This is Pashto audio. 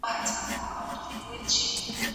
ښځې هم د زعفرانو په راټولولو کې برخه اخلي.